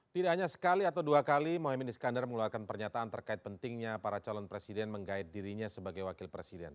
tidak hanya sekali atau dua kali mohaimin iskandar mengeluarkan pernyataan terkait pentingnya para calon presiden menggait dirinya sebagai wakil presiden